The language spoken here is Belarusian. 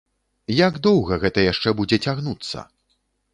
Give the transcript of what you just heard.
Як доўга гэта яшчэ будзе цягнуцца?